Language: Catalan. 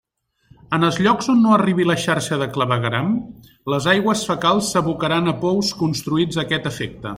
En els llocs on no arribi la xarxa de clavegueram, les aigües fecals s'abocaran a pous construïts a aquest efecte.